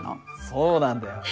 そうなんだよ。